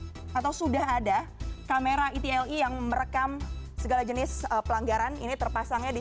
atau sudah ada kamera etle yang merekam segala jenis pelanggaran ini terpasangnya di